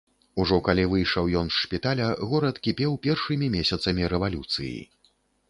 Ужо калі выйшаў ён з шпіталя, горад кіпеў першымі месяцамі рэвалюцыі.